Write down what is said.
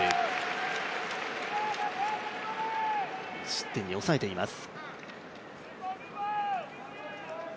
１失点に抑えています。